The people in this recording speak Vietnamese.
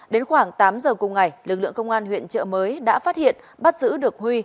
đến khoảng tám giờ cùng ngày lực lượng công an huyện trợ mới đã phát hiện bắt giữ được huy